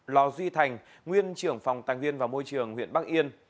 lò duy thành nguyên trưởng phòng tàng viên và môi trường huyện bắc yên